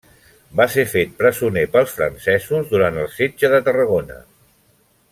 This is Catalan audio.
Va ser fet presoner pels francesos durant el setge de Tarragona.